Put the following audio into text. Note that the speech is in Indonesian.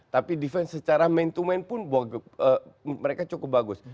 tapi defense secara main to main pun mereka cukup bagus